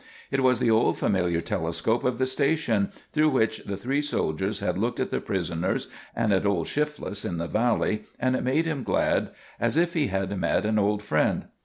It was the old familiar telescope of the station, through which the three soldiers had looked at the prisoners and at old Shifless in the valley, and it made him glad as if he had met an old friend.